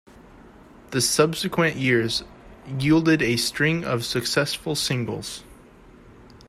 The subsequent years yielded a string of successful singles.